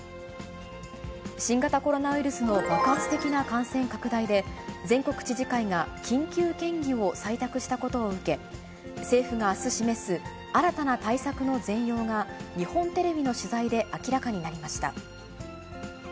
新型コロナウイルスの爆発的な感染拡大で、全国知事会が緊急けんぎを採択したことを受け、政府があす示す新たな対策の全容が、日本テレビの取材で明らかになりました。